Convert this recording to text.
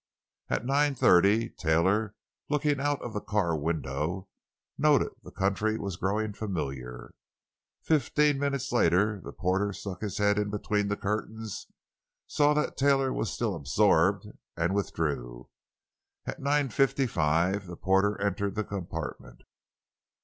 At nine thirty, Taylor, looking out of the car window, noted that the country was growing familiar. Fifteen minutes later the porter stuck his head in between the curtains, saw that Taylor was still absorbed, and withdrew. At nine fifty five the porter entered the compartment.